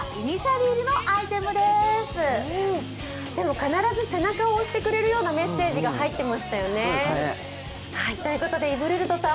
必ず背中を押してくれるようなメッセージが入ってましたね。ということでイヴルルドさん